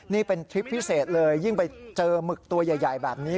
นี่เป็นทริปพิเศษเลยยิ่งไปเจอหมึกตัวใหญ่แบบนี้